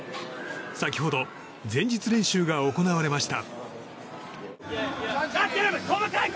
先ほど前日練習が行われました。